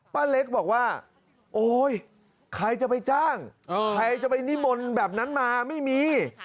ป้าเล็กบอกว่าโอ๊ยใครจะไปจ้างใครจะไปนิมนต์แบบนั้นมาไม่มี